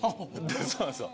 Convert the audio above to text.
そうなんですよ。